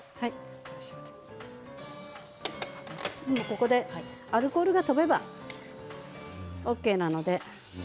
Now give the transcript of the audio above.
ここでアルコールが飛べばＯＫです。